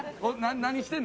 何してんの？